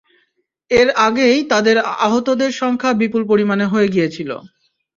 এর আগেই তাদের আহতদের সংখ্যা বিপুল পরিমাণে হয়ে গিয়েছিল।